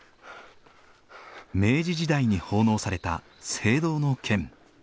明治時代に奉納された青銅の剣。